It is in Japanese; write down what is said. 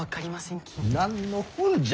何の本じゃ？